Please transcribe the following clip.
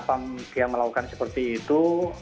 pas dia melakukan seperti itu